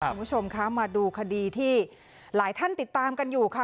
คุณผู้ชมคะมาดูคดีที่หลายท่านติดตามกันอยู่ค่ะ